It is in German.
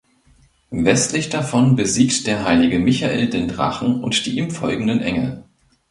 Westlich davon besiegt der heilige Michael den Drachen und die ihm folgenden Engel.